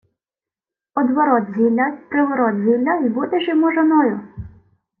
— Одворот-зілля й приворот-зілля, й будеш йому жоною.